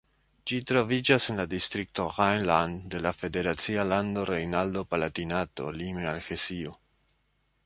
Ĝi troviĝas en la distrikto Rhein-Lahn de la federacia lando Rejnlando-Palatinato, lime al Hesio.